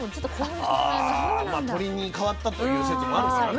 まあ鳥に変わったという説もあるからね。